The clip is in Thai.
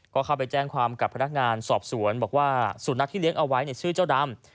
ก็เข้าไปแจ้งความกับพนักงานสอบสวนบอกว่าสุนัขที่เลี้ยงเอาไว้ชื่อเจ้าดำ